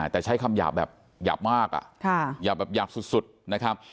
แต่ใช้คำหยาบแบบหยาบมากหยาบแบบหยาบสุดนะครับ